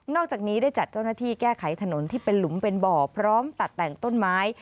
จากนี้ได้จัดเจ้าหน้าที่แก้ไขถนนที่เป็นหลุมเป็นบ่อพร้อมตัดแต่งต้นไม้